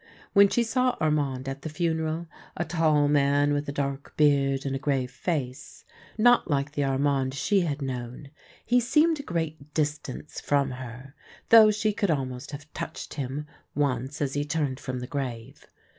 When she saw Armand at the funeral — a tall man with a dark beard and a grave face, not like the Armand she had known, he seemed a great distance from her, though she could almost have touched him once as he turned from the grave.